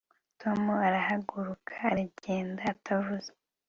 tom arahaguruka aragenda atavuze